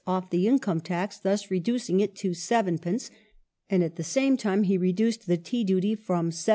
off the income tax, thus reducing it to 7d., and at the same time he reduced the tea duty from 17d.